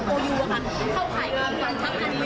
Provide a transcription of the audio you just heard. เข้ากับพร่อมงานกับกัน